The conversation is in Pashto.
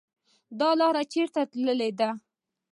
.دا لار چیري تللې ده؟